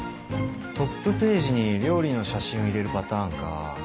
トップページに料理の写真を入れるパターンか。